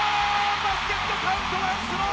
バスケットカウントワンスロー。